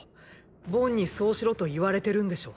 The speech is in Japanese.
ボンにそうしろと言われてるんでしょ？